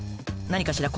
何かしら？